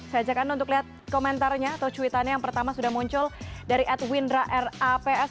saya ajak anda untuk lihat komentarnya atau cuitannya yang pertama sudah muncul dari edwindra raps